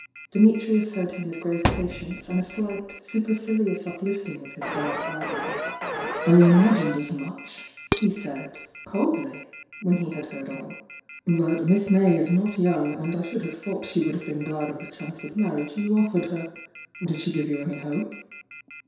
Dimitrius heard him witii grave patience and a slight, supercilious uplift^ ing of his dark eyebrows. "I imagined as much!" he said, coldly, when he had heard all. "But Miss May is not young, and I should have thought she would have been glad of tiie chance of marriage you offered her. Did she give you any hope?"